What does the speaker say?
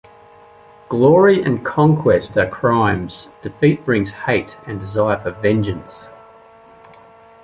Glory and conquest are crimes; defeat brings hate and desire for vengeance.